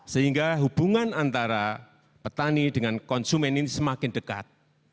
sehingga hubungan antara petani dengan konsumen ini semakin dekat